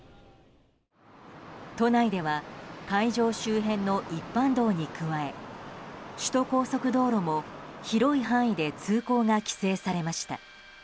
都内では会場周辺の一般道に加え首都高速道路も広い範囲で通行が規制されました。